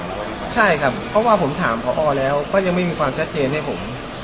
อเจมส์ไม่ได้ครับเพราะว่าผมถามขออ้อแล้วเขาก็ยังไม่มีความชัดเทรนให้ผม